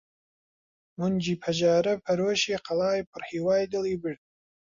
مۆنجی پەژارە پەرۆشی قەڵای پڕ هیوای دڵی برد!